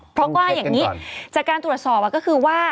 เพราะว่าอย่างนี้จากการตรวจสอบก็คือว่า